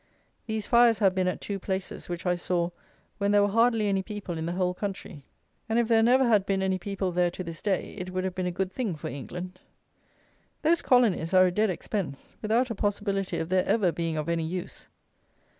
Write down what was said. These fires have been at two places which I saw when there were hardly any people in the whole country; and if there never had been any people there to this day it would have been a good thing for England. Those colonies are a dead expense, without a possibility of their ever being of any use.